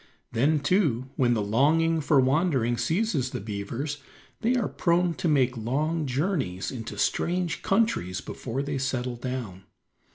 Then, too, when the longing for wandering seizes the beavers they are prone to make long journeys into strange countries before they settle down.